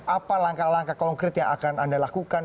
apa langkah langkah konkret yang akan anda lakukan